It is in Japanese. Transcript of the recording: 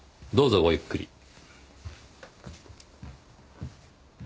どうぞごゆっくり。